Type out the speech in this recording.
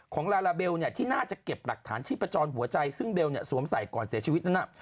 ลาลาเบลที่น่าจะเก็บหลักฐานชีพจรหัวใจซึ่งเบลสวมใส่ก่อนเสียชีวิตนั้นน่ะ